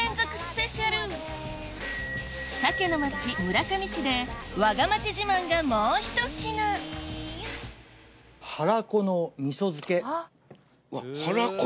村上市でわが町自慢がもうひと品うわはらこ！